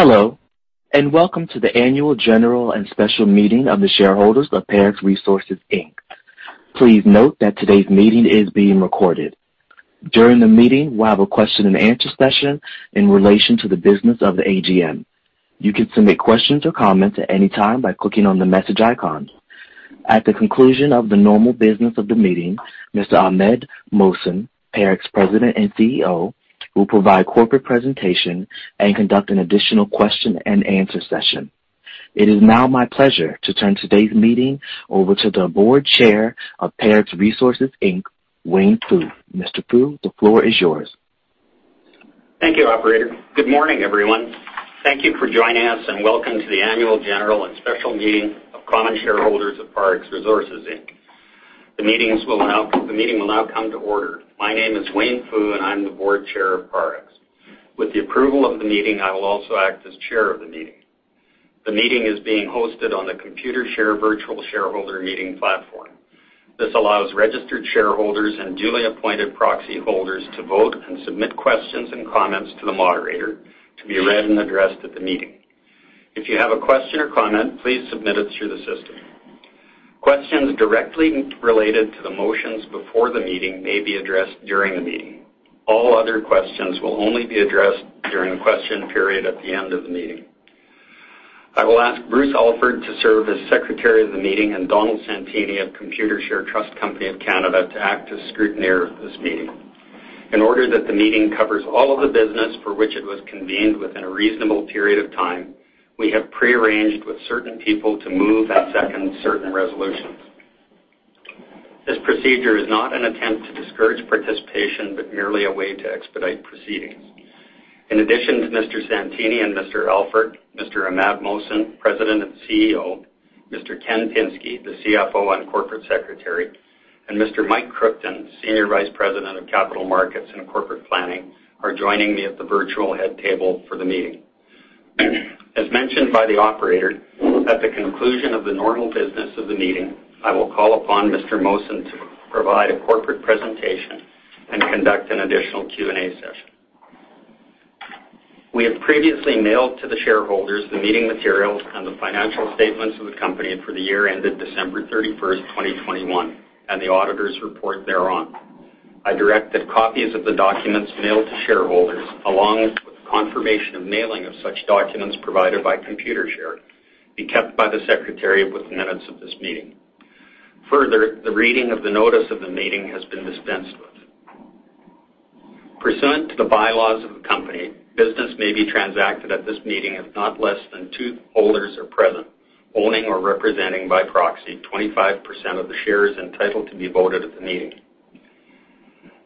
Hello, and welcome to the Annual General and Special Meeting of the shareholders of Parex Resources Inc. Please note that today's meeting is being recorded. During the meeting, we'll have a question and answer session in relation to the business of the AGM. You can submit questions or comments at any time by clicking on the message icon. At the conclusion of the normal business of the meeting, Mr. Imad Mohsen, Parex President and CEO, will provide corporate presentation and conduct an additional question and answer session. It is now my pleasure to turn today's meeting over to the Board Chair of Parex Resources Inc., Wayne Foo. Mr. Foo, the floor is yours. Thank you, operator. Good morning, everyone. Thank you for joining us, and welcome to the Annual General and Special Meeting of common shareholders of Parex Resources Inc. The meeting will now come to order. My name is Wayne Foo, and I'm the Board Chair of Parex. With the approval of the meeting, I will also act as Chair of the meeting. The meeting is being hosted on the Computershare virtual shareholder meeting platform. This allows registered shareholders and duly appointed proxy holders to vote and submit questions and comments to the moderator to be read and addressed at the meeting. If you have a question or comment, please submit it through the system. Questions directly related to the motions before the meeting may be addressed during the meeting. All other questions will only be addressed during the question period at the end of the meeting. I will ask Bruce Alford to serve as Secretary of the meeting and Donald Santini of Computershare Trust Company of Canada to act as Scrutineer of this meeting. In order that the meeting covers all of the business for which it was convened within a reasonable period of time, we have prearranged with certain people to move and second certain resolutions. This procedure is not an attempt to discourage participation, but merely a way to expedite proceedings. In addition to Mr. Santini and Mr. Alford, Mr. Imad Mohsen, President and CEO, Mr. Kenneth Pinsky, the CFO and Corporate Secretary, and Mr. Mike Kruchten, Senior Vice President of Capital Markets and Corporate Planning, are joining me at the virtual head table for the meeting. As mentioned by the operator, at the conclusion of the normal business of the meeting, I will call upon Mr. Mohsen to provide a corporate presentation and conduct an additional Q&A session. We have previously mailed to the shareholders the meeting materials and the financial statements of the Company for the year ended December 31st 2021, and the auditor's report thereon. I direct that copies of the documents mailed to shareholders, along with confirmation of mailing of such documents provided by Computershare, be kept by the Secretary with the minutes of this meeting. Further, the reading of the notice of the meeting has been dispensed with. Pursuant to the bylaws of the Company, business may be transacted at this meeting if not less than two holders are present, owning or representing by proxy 25% of the shares entitled to be voted at the meeting.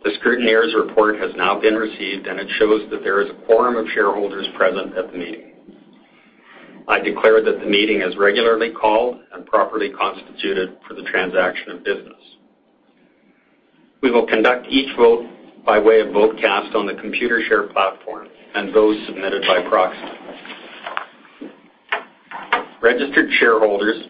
The Scrutineer's report has now been received, and it shows that there is a quorum of shareholders present at the meeting. I declare that the meeting is regularly called and properly constituted for the transaction of business. We will conduct each vote by way of vote cast on the Computershare platform and those submitted by proxy. Registered shareholders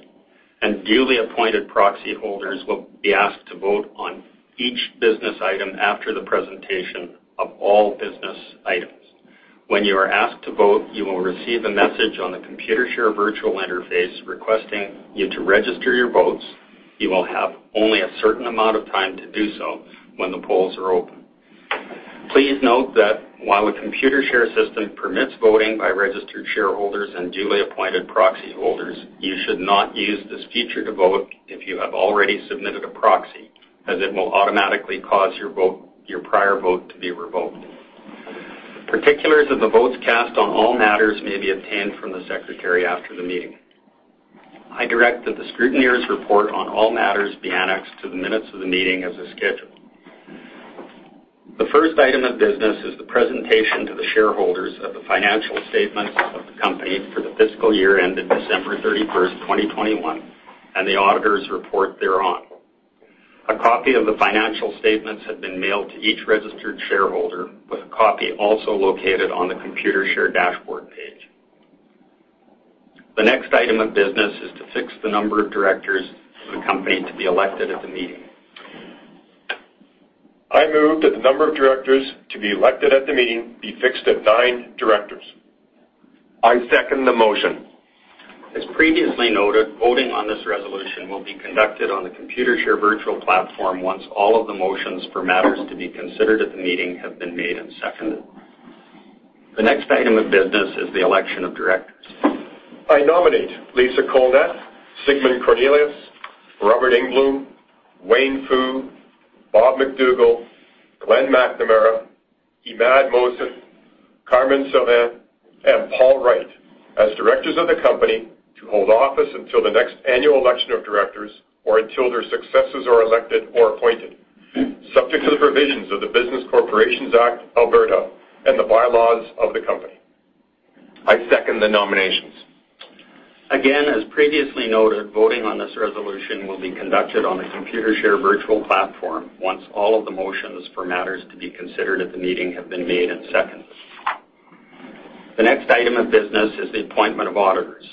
and duly appointed proxy holders will be asked to vote on each business item after the presentation of all business items. When you are asked to vote, you will receive a message on the Computershare virtual interface requesting you to register your votes. You will have only a certain amount of time to do so when the polls are open. Please note that while the Computershare system permits voting by registered shareholders and duly appointed proxy holders, you should not use this feature to vote if you have already submitted a proxy, as it will automatically cause your prior vote to be revoked. Particulars of the votes cast on all matters may be obtained from the Secretary after the meeting. I direct that the Scrutineer's report on all matters be annexed to the minutes of the meeting as a schedule. The first item of business is the presentation to the shareholders of the financial statements of the company for the fiscal year ended December 31st 2021, and the Auditors' report thereon. A copy of the financial statements have been mailed to each registered shareholder, with a copy also located on the Computershare dashboard page. The next item of business is to fix the number of Directors of the company to be elected at the meeting. I move that the number of Directors to be elected at the meeting be fixed at nine Directors. I second the motion. As previously noted, voting on this resolution will be conducted on the Computershare virtual platform once all of the motions for matters to be considered at the meeting have been made and seconded. The next item of business is the election of Directors. I nominate Lisa Colnett, Sigmund Cornelius, Robert Engbloom, Wayne Foo, Bob MacDougall, Glenn McNamara, Imad Mohsen, Carmen Sylvain, and Paul Wright as Directors of the company to hold office until the next annual election of Directors or until their successors are elected or appointed, subject to the provisions of the Business Corporations Act (Alberta) and the bylaws of the company. I second the nominations. Again, as previously noted, voting on this resolution will be conducted on the Computershare virtual platform once all of the motions for matters to be considered at the meeting have been made and seconded. The next item of business is the appointment of auditors.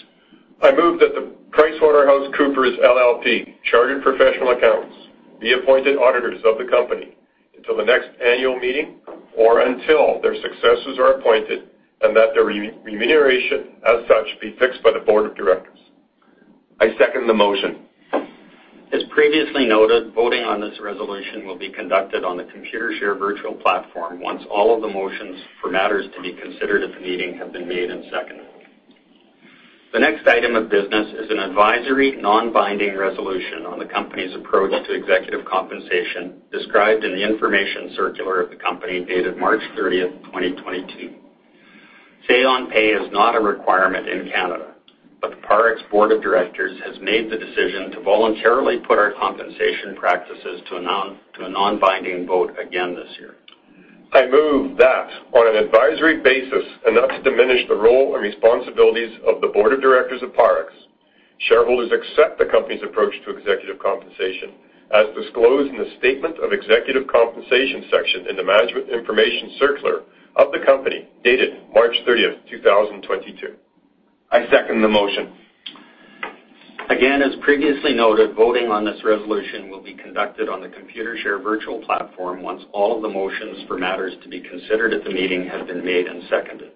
I move that PricewaterhouseCoopers LLP, Chartered Professional Accountants, be appointed auditors of the company until the next annual meeting or until their successors are appointed, and that their remuneration as such be fixed by the Board of Directors. I second the motion. As previously noted, voting on this resolution will be conducted on the Computershare virtual platform once all of the motions for matters to be considered at the meeting have been made and seconded. The next item of business is an advisory, non-binding resolution on the company's approach to executive compensation described in the information circular of the company dated March 30th 2022. Say on pay is not a requirement in Canada, but the Parex Board of Directors has made the decision to voluntarily put our compensation practices to a, to a non-binding vote again this year. I move that on an advisory basis and not to diminish the role and responsibilities of the Board of Directors of Parex, shareholders accept the company's approach to executive compensation as disclosed in the Statement of Executive Compensation section in the Management Information Circular of the company, dated March 30th, 2022. I second the motion. Again, as previously noted, voting on this resolution will be conducted on the Computershare virtual platform once all of the motions for matters to be considered at the meeting have been made and seconded.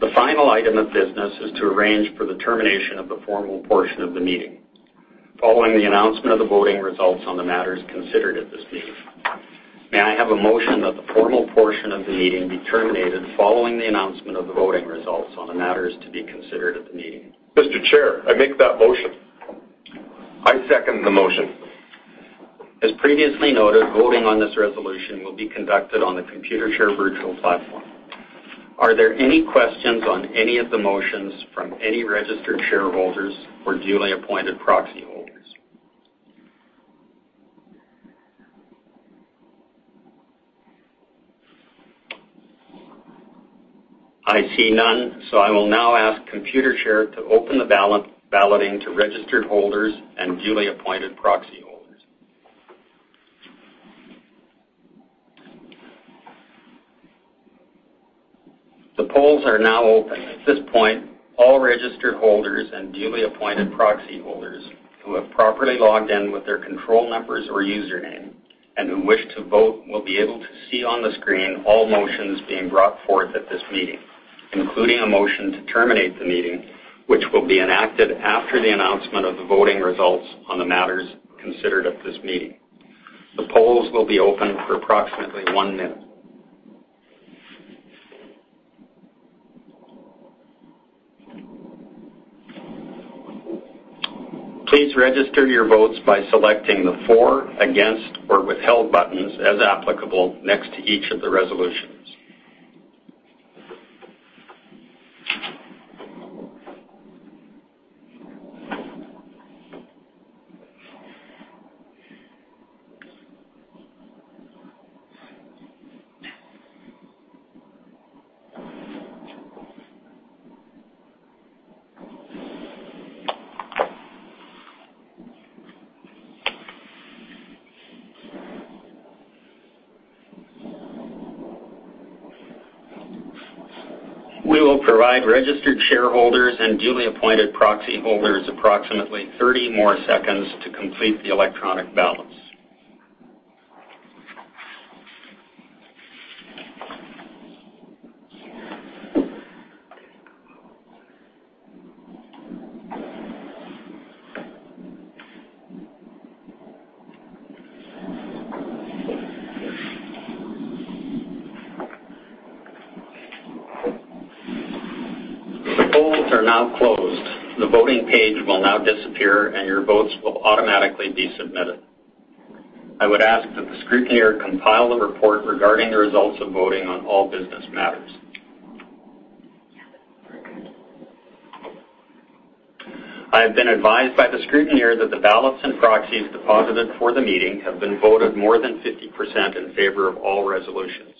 The final item of business is to arrange for the termination of the formal portion of the meeting. Following the announcement of the voting results on the matters considered at this meeting, may I have a motion that the formal portion of the meeting be terminated following the announcement of the voting results on the matters to be considered at the meeting? Mr. Chair, I make that motion. I second the motion. As previously noted, voting on this resolution will be conducted on the Computershare virtual platform. Are there any questions on any of the motions from any registered shareholders or duly appointed proxy holders? I see none. I will now ask Computershare to open the balloting to registered holders and duly appointed proxy holders. The polls are now open. At this point, all registered holders and duly appointed proxy holders who have properly logged in with their control numbers or username and who wish to vote will be able to see on the screen all motions being brought forth at this meeting, including a motion to terminate the meeting, which will be enacted after the announcement of the voting results on the matters considered at this meeting. The polls will be open for approximately one minute. Please register your votes by selecting the for, against, or withheld buttons, as applicable, next to each of the resolutions. We will provide registered shareholders and duly appointed proxy holders approximately 30 more seconds to complete the electronic ballots. The polls are now closed. The voting page will now disappear, and your votes will automatically be submitted. I would ask that the Scrutineer compile a report regarding the results of voting on all business matters. I have been advised by the Scrutineer that the ballots and proxies deposited for the meeting have been voted more than 50% in favor of all resolutions.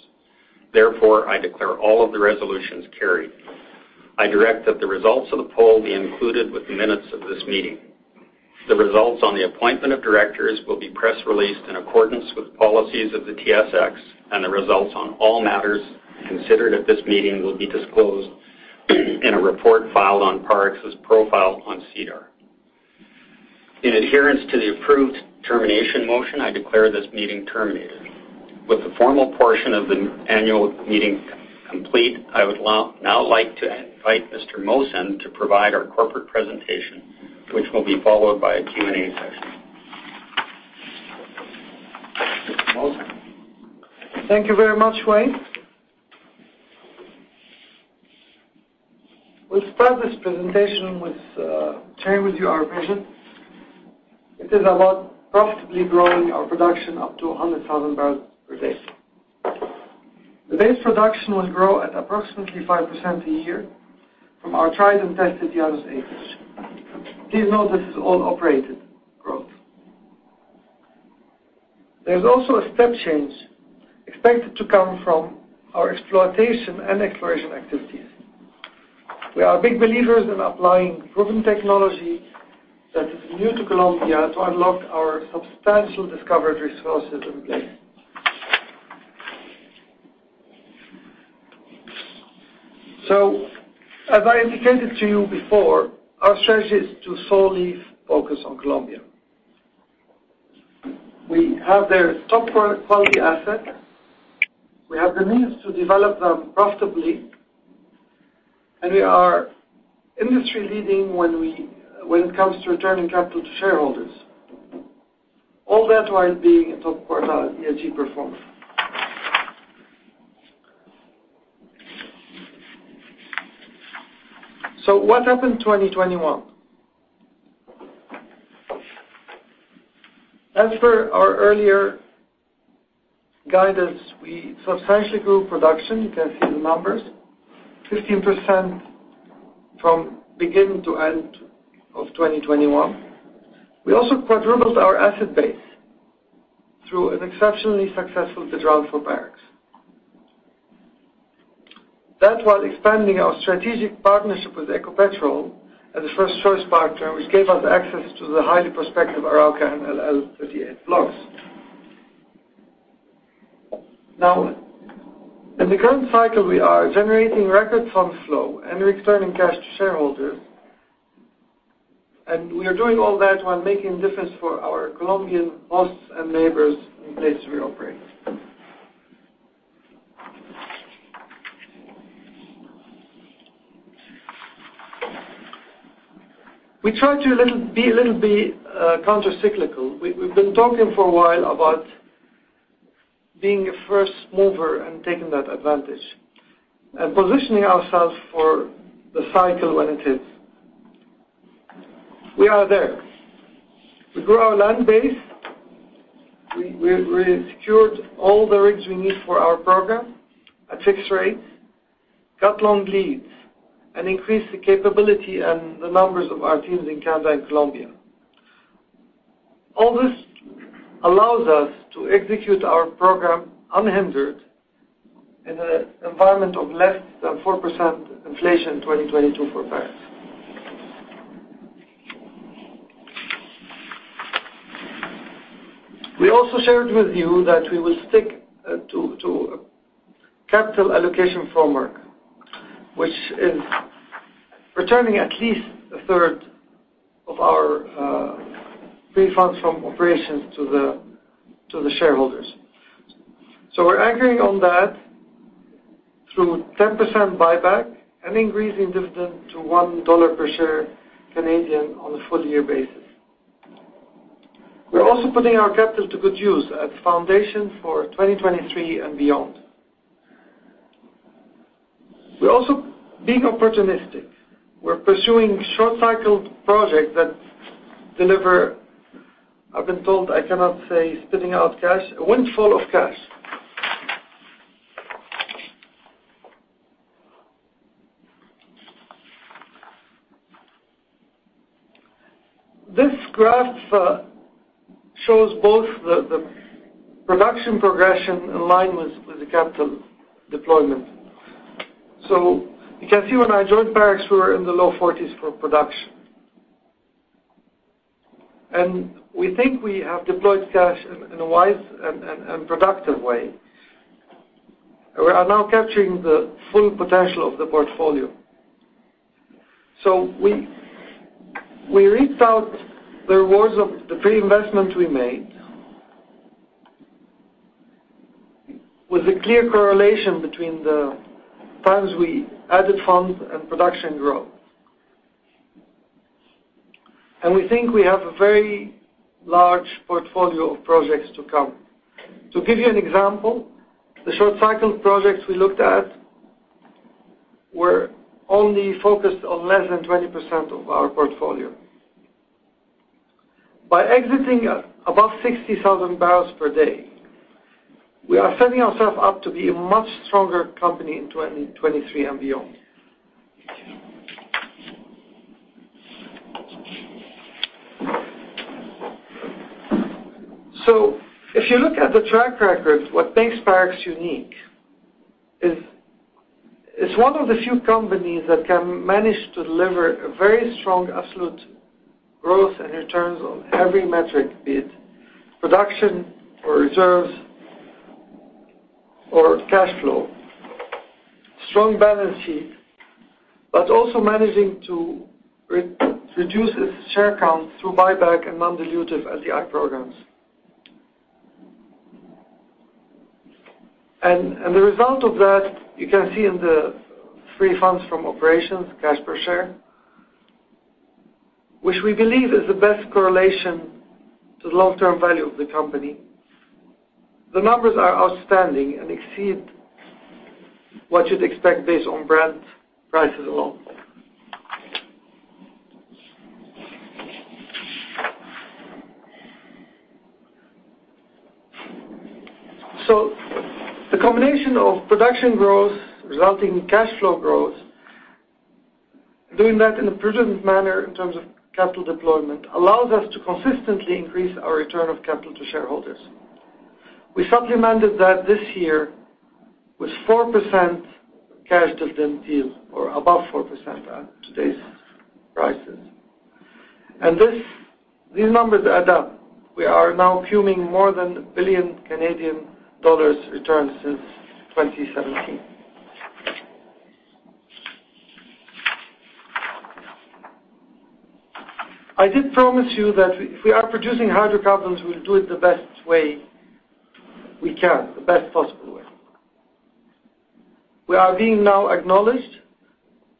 Therefore, I declare all of the resolutions carried. I direct that the results of the poll be included with the minutes of this meeting. The results on the appointment of directors will be press released in accordance with the policies of the TSX, and the results on all matters considered at this meeting will be disclosed in a report filed on Parex's profile on SEDAR. In adherence to the approved termination motion, I declare this meeting terminated. With the formal portion of the Annual Meeting complete, I would now like to invite Mr. Mohsen to provide our corporate presentation, which will be followed by a Q&A session. Mr. Mohsen. Thank you very much, Wayne. We'll start this presentation with sharing with you our vision. It is about profitably growing our production up to 100,000 barrels per day. The base production will grow at approximately 5% a year from our tried and tested Llanos acreage. Please note this is all operated growth. There is also a step change expected to come from our exploitation and exploration activities. We are big believers in applying proven technology that is new to Colombia to unlock our substantial discovered resources in place. So as I indicated to you before, our strategy is to solely focus on Colombia. We have their top product quality assets. We have the means to develop them profitably. And we are industry leading when it comes to returning capital to shareholders. All that while being a top quartile ESG performer. So what happened in 2021? As for our earlier guidance, we substantially grew production. You can see the numbers, 15% from beginning to end of 2021. We also quadrupled our asset base through an exceptionally successful bid round for Parex that while expanding our strategic partnership with Ecopetrol as a first-choice partner, which gave us access to the highly prospective Arauca and LLA-38 blocks. Now, in the current cycle, we are generating record fund flow and returning cash to shareholders. And we are doing all that while making a difference for our Colombian hosts and neighbors in places we operate. We try to be little be, a little bit uh countercyclical. We've been talking for a while about being a first mover and taking that advantage and positioning ourselves for the cycle when it hits. We are there. We grew our land base. We we we secured all the rigs we need for our program at fixed rates, cut long leads, and increased the capability and the numbers of our teams in Canada and Colombia. All this allows us to execute our program unhindered in an environment of less than 4% inflation in 2022 for Parex. We also shared with you that we will stick to to capital allocation framework, which is returning at least a third of our uh free funds from operations to the, to the shareholders. So we're anchoring on that through 10% buyback and increasing dividend to 1 dollar per share on a full-year basis. We're also putting our capital to good use as foundation for 2023 and beyond. We're also being opportunistic. We're pursuing short-cycled projects that deliver... I've been told I cannot say spitting out cash. A windfall of cash. This graph shows both the production progression in line with the capital deployment. So you can see when I joined Parex, we were in the low 40s for production. We think we have deployed cash in a wise and productive way. We are now capturing the full potential of the portfolio. So we, we reaped out the rewards of the pre-investment we made, with a clear correlation between the times we added funds and production growth. And we think we have a very large portfolio of projects to come. To give you an example, the short cycle projects we looked at were only focused on less than 20% of our portfolio. By exiting above 60,000 barrels per day, we are setting ourselves up to be a much stronger company in 2023 and beyond. If you look at the track record, what makes Parex unique, is, it's one of the few companies that can manage to deliver a very strong absolute growth and returns on every metric, be it production or reserves or cash flow, strong balance sheet, but also managing to reduce its share count through buyback and non-dilutive SIB programs. The result of that, you can see in the free funds from operations, cash per share, which we believe is the best correlation to the long-term value of the company. The numbers are outstanding and exceed what you'd expect based on Brent prices alone. The combination of production growth resulting in cash flow growth, doing that in a prudent manner in terms of capital deployment, allows us to consistently increase our return of capital to shareholders. We supplemented that this year with 4% cash dividend yield or above 4% at today's prices. And these numbers add up. We are now returning more than 1 billion Canadian dollars return since 2017. I did promise you that if we are producing hydrocarbons, we'll do it the best way we can, the best possible way. We are being now acknowledged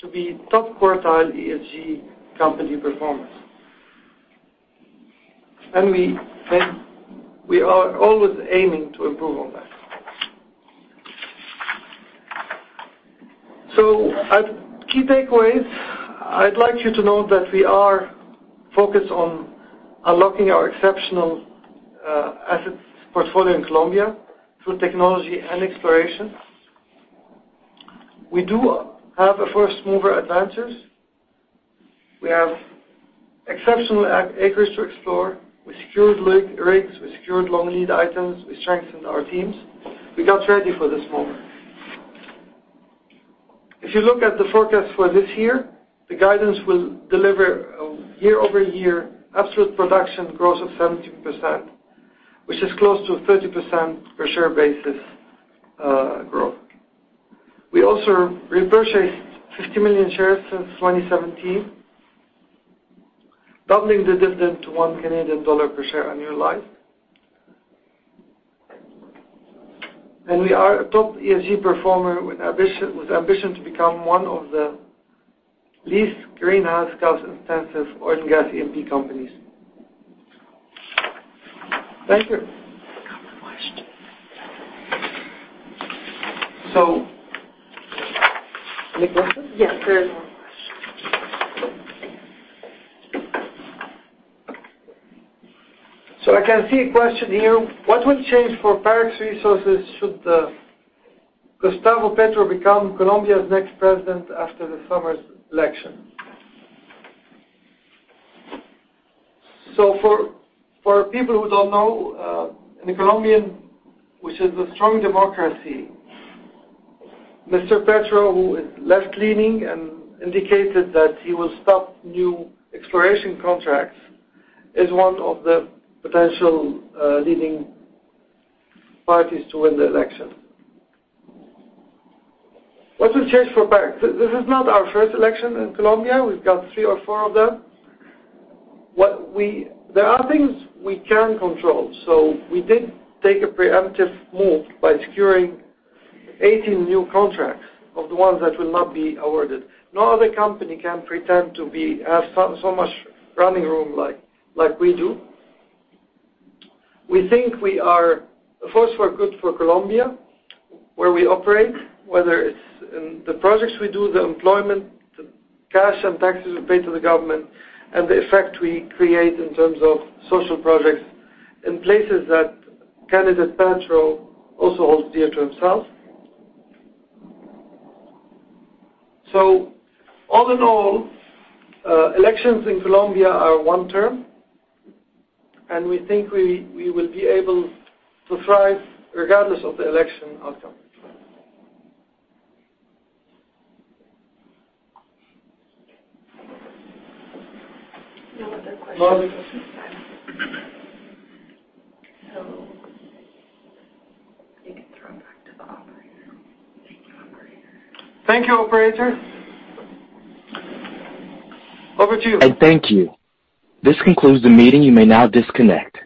to be top quartile ESG company performers. We are always aiming to improve on that. So, as key takeaways, I'd like you to know that we are focused on unlocking our exceptional assets portfolio in Colombia through technology and exploration. We do have a first-mover advantage. We have exceptional acres to explore. We secured rigs, we secured long-lead items. We strengthened our teams. We got ready for this moment. If you look at the forecast for this year, the guidance will deliver year-over-year absolute production growth of 17%, which is close to a 30% per-share basis growth. We also repurchased 50 million shares since 2017, doubling the dividend to 1 Canadian dollar per share annually. We are a top ESG performer with ambition to become one of the least greenhouse gas-intensive oil and gas E&P companies. Thank you. Any questions? Yes sir I can see a question here. What will change for Parex Resources should the Gustavo Petro become Colombia's next president after the summer's election? For people who don't know, in Colombia, which is a strong democracy, Mr. Petro, who is left-leaning and indicated that he will stop new exploration contracts, is one of the potential leading parties to win the election. What will change for Parex? This is not our first election in Colombia. We've got three or four of them. What we, there are things we can control. We did take a preemptive move by securing 18 new contracts of the ones that will not be awarded. No other company can pretend to have so much running room like we do. We think we are a force for good for Colombia, where we operate, whether it's in the projects we do, the employment, the cash and taxes we pay to the government, and the effect we create in terms of social projects in places that Candidate Petro also holds dear to himself. All in all, elections in Colombia are one term, and we think we will be able to thrive regardless of the election outcome. No other questions at this time. Hello. You can throw it back to the Operator. Thank you, Operator. Over to you. Thank you. This concludes the meeting. You may now disconnect.